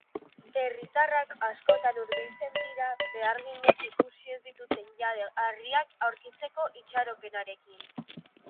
Herritarrak askotan hurbiltzen dira, beharginek ikusi ez dituzten jade harriak aurkitzeko itxaropenarekin.